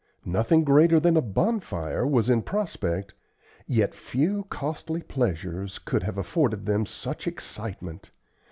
Nothing greater than a bonfire was in prospect, yet few costly pleasures could have afforded them such excitement.